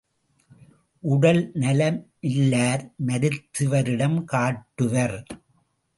உடல் நலமில்லார் மருத்துவரிடம் காட்டுவர்.